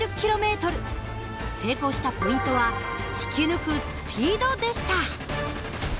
成功したポイントは引き抜くスピードでした。